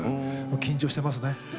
緊張していますね。